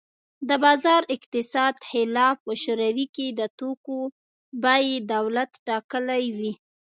د بازار اقتصاد خلاف په شوروي کې د توکو بیې دولت ټاکلې وې